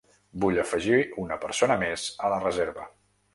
Vull afegir una persona mes a la reserva.